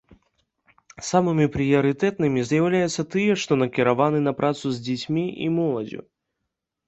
Самымі прыярытэтнымі з'яўляюцца тыя, што накіраваны на працу з дзецьмі і моладдзю.